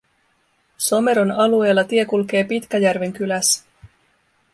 Someron alueella tie kulkee Pitkäjärven kylässä